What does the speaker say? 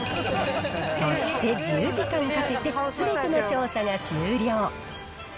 そして、１０時間かけてすべての調査が終了。